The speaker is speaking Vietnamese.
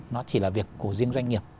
nó chỉ là việc của riêng doanh nghiệp